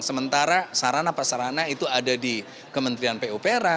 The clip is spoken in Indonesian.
sementara sarana prasarana itu ada di kementerian pupera